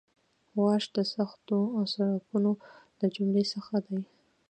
واش د سختو سړکونو له جملې څخه دی